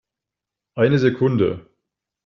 Eine Sekunde!